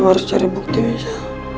lo harus cari bukti bisa